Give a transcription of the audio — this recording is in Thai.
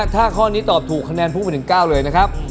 ถ้าข้อนี้ตอบถูกคะแนนพุ่งไป๑๙เลยนะครับ